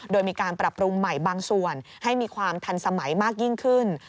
โดยมีการปรับปรุงใหม่บางส่วนให้มีความทันสมัยมากยิ่งขึ้น